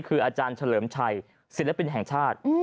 คืออาจารย์เฉลิมชัยศิลปินแห่งชาติ